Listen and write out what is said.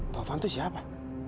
taufan itu siapa